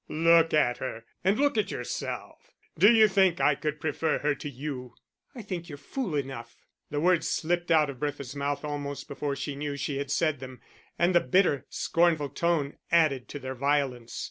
"Look at her and look at yourself. Do you think I could prefer her to you?" "I think you're fool enough." The words slipped out of Bertha's mouth almost before she knew she had said them, and the bitter, scornful tone added to their violence.